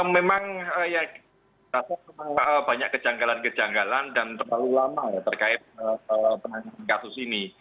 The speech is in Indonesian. memang ya rasa banyak kejanggalan kejanggalan dan terlalu lama ya terkait penanganan kasus ini